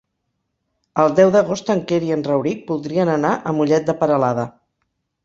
El deu d'agost en Quer i en Rauric voldrien anar a Mollet de Peralada.